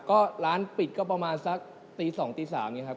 ก็ร้านปิดก็ประมาณสักตี๒ตี๓อย่างนี้ครับ